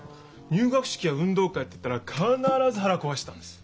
入学式や運動会っていったら必ず腹壊してたんです。